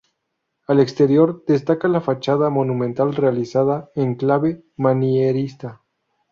Al exterior destaca la fachada monumental realizada en clave manierista.